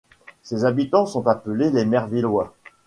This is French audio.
Ses habitants sont appelés les Mayrveilloix.